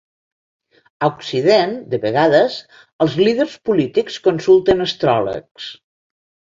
A Occident, de vegades els líders polítics consulten astròlegs.